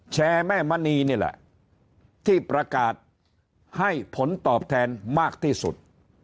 แชร์แม่มณีนี่แหละที่ประกาศให้ผลตอบแทนมากที่สุด